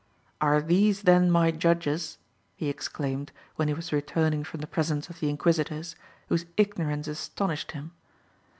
"Are these then my judges?" he exclaimed when he was returning from the presence of the Inquisitors, whose ignorance astonished him.